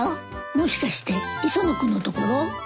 もしかして磯野君の所？